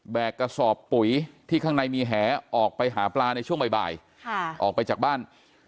กระสอบปุ๋ยที่ข้างในมีแหออกไปหาปลาในช่วงบ่ายออกไปจากบ้าน